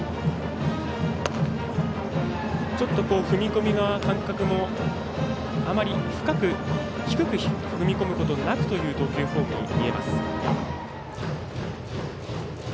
ちょっと踏み込みの感覚もあまり深く、低く踏み込むことなくという投球フォームに見えます。